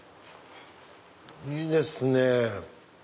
いいですね。